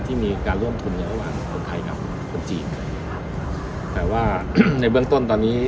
ที่มีการร่วมทุนกันระหว่างคนไทยกับคนจีนแต่ว่าในเบื้องต้นตอนนี้